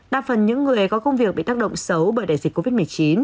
đa phần những người có công việc bị tác động xấu bởi đại dịch